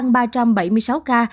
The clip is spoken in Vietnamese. con tương tám mươi bảy ca